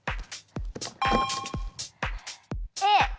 Ａ！